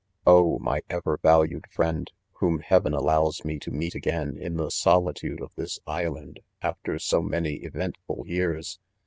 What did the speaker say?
' Oh ! my ever valued friend, whom heaven allows me , to ' meet .again, in the solitude of tills island^ after. bo many eventful years